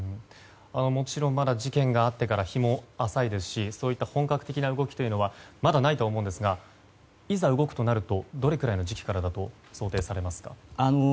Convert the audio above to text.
もちろん、まだ事件があってから日も浅いですしそういった本格的な動きはまだないとは思いますがいざ動くとなるとどれくらいの時期からだと想定されますか。